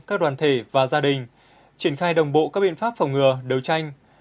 các đoàn thể và gia đình triển khai đồng bộ các biện pháp phòng ngừa đấu tranh